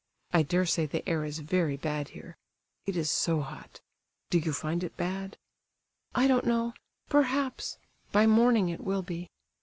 I dare say the air is very bad here. It is so hot. Do you find it bad?" "I don't know—perhaps—by morning it will be."